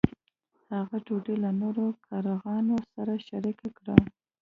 هغه ډوډۍ له نورو کارغانو سره شریکه کړه.